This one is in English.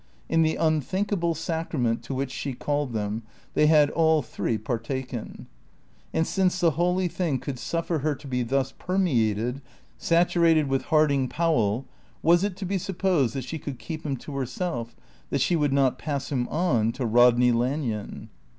In the unthinkable sacrament to which she called them they had all three partaken. And since the holy thing could suffer her to be thus permeated, saturated with Harding Powell, was it to be supposed that she could keep him to herself, that she would not pass him on to Rodney Lanyon.